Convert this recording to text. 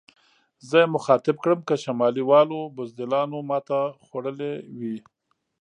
زه یې مخاطب کړم: که شمالي والو بزدلانو ماته خوړلې وي.